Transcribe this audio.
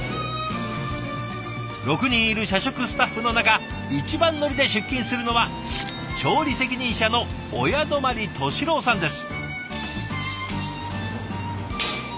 ６人いる社食スタッフの中一番乗りで出勤するのは調理責任者の親泊寿郎さんです。